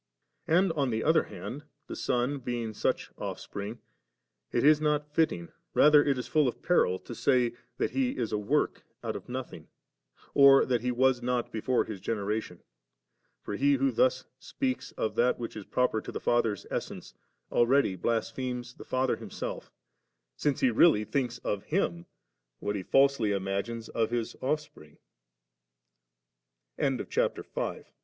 And on the other hand, the Son being such Ofifspring, it is not fitting, rather it is full of peril, to say, that He is a woik out of nothing, or that He was not before His generation. For he who thus speaks of that which is proper to the Father's essence, already blasphemes the Father Himself* ; since he really thinks of Him what he fiUsely ima